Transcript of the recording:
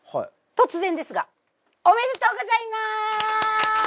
突然ですがおめでとうございます！